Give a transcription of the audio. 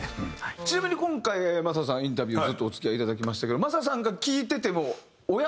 ちなみに今回マサさんインタビューずっとお付き合いいただきましたけどマサさんが聞いててもおや？